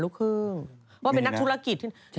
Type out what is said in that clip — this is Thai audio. ลูกครึ่งว่าเป็นนักธุรกิจที่